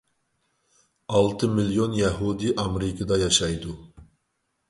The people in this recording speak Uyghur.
ئالتە مىليون يەھۇدىي ئامېرىكىدا ياشايدۇ.